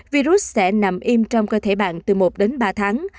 virus sẽ nằm im trong cơ thể bạn từ một đến ba tháng